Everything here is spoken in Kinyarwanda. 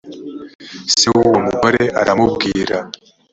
se w uwo mugore aramubwira